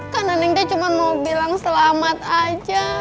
kan nenek dia cuma mau bilang selamat aja